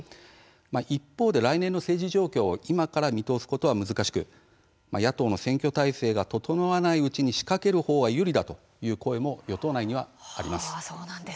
一方で来年の政治状況を今から見通すことは難しくて野党の選挙態勢が整わないうちに仕掛ける方が有利だという声も与党内にはあります。